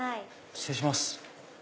失礼します。